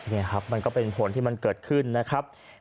นี่ครับมันก็เป็นผลที่มันเกิดขึ้นนะครับ